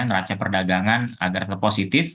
neraja perdagangan agar terpositif